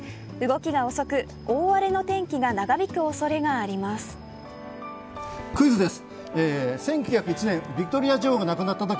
動きが遅く大荒れの天気が長引くおそれがあります。